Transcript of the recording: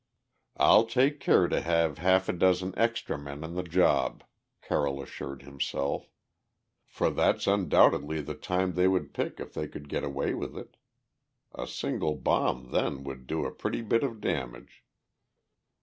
"I'll take care to have half a dozen extra men on the job," Carroll assured himself, "for that's undoubtedly the time they would pick if they could get away with it. A single bomb then would do a pretty bit of damage."